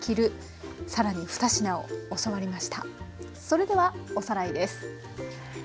それではおさらいです。